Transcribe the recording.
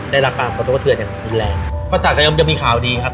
ได้รับการพอทฤทธิ์ตัวอย่างแรงพอตัดก็ยังมีข่าวดีครับ